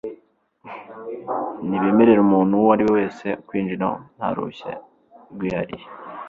Ntibemerera umuntu uwo ari we wese kwinjira nta ruhushya rwihariye. .